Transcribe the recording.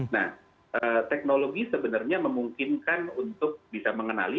nah teknologi sebenarnya memungkinkan untuk bisa mengenali